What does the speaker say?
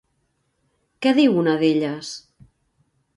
Què diu una d'elles?